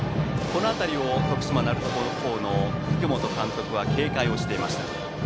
この辺りを徳島・鳴門高校の福本監督は警戒をしていました。